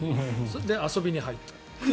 で、遊びに入った。